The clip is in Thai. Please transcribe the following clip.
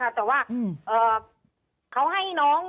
ตอนที่จะไปอยู่โรงเรียนนี้แปลว่าเรียนจบมไหนคะ